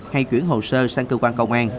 hay chuyển hồ sơ sang cơ quan công an